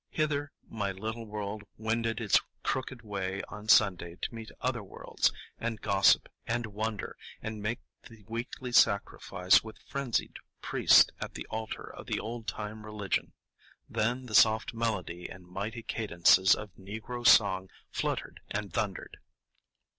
Hither my little world wended its crooked way on Sunday to meet other worlds, and gossip, and wonder, and make the weekly sacrifice with frenzied priest at the altar of the "old time religion." Then the soft melody and mighty cadences of Negro song fluttered and thundered.